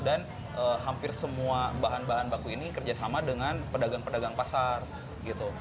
dan hampir semua bahan bahan baku ini kerjasama dengan pedagang pedagang pasar gitu